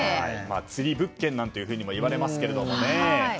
釣り物件なんていうふうにもいわれますけどね。